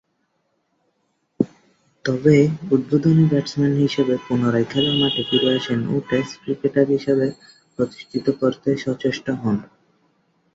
তবে, উদ্বোধনী ব্যাটসম্যান হিসেবে পুনরায় খেলার মাঠে ফিরে আসেন ও টেস্ট ক্রিকেটার হিসেবে প্রতিষ্ঠিত করতে সচেষ্ট হন।